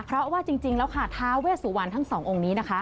เพราะว่าจริงแล้วค่ะท้าเวสุวรรณทั้งสององค์นี้นะคะ